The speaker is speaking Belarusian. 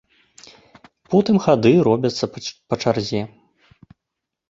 Потым хады робяцца па чарзе.